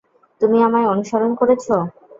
তুমি আমায় অনুসরণ করেছো!